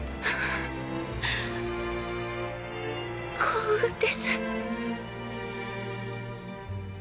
幸運です。